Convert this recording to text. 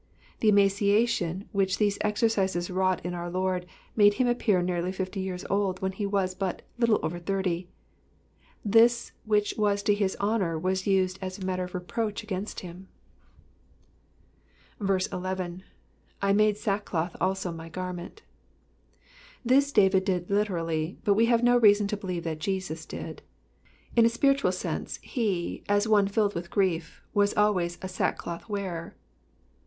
The emaciation which these exercises wrought in our Lord made him appear nearly fifty years old when he was but little over thirty ; this . which was to his honour was used as a matter of reproach against him. Digitized by VjOOQIC PSALM THE 8IXTY KINTH. 263 11. / mcide Boekdoth also my garmenV^ This David did literally, but we have no reason to believe that Jesus did. Id a spiritual sense he, as one filled with grief, was always a sackcloth wearer.